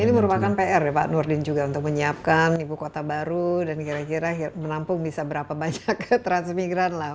ini merupakan pr ya pak nurdin juga untuk menyiapkan ibu kota baru dan kira kira menampung bisa berapa banyak transmigran lah